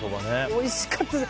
おいしかったです。